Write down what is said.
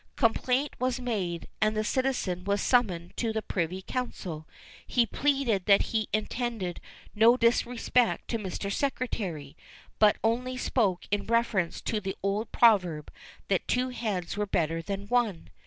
Complaint was made, and the citizen was summoned to the Privy Council. He pleaded that he intended no disrespect to Mr. Secretary, but only spoke in reference to the old proverb, that "two heads were better than one!"